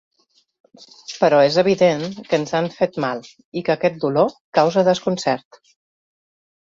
Però és evident que ens han fet mal i que aquest dolor causa desconcert.